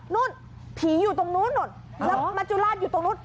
ผีอยู่ตรงนู้นแล้วมัจจุราชอยู่ตรงนู้น